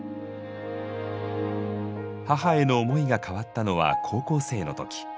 母への思いが変わったのは高校生の時。